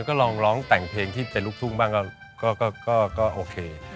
ก็ลองร้องแต่งเพลงที่เป็นลูกทุ่งบ้างก็โอเค